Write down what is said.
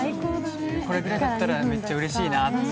これだったら、めっちゃうれしいなって。